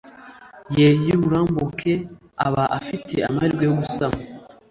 ye y'uburumbuke aba afite amahirwe yo gusama